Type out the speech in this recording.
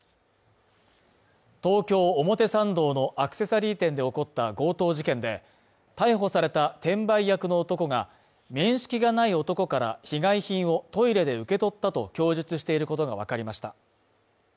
東京・表参道のアクセサリー店で起こった強盗事件で逮捕された転売役の男が、面識がない男から被害品をトイレで受け取ったと供述していることがわかりました。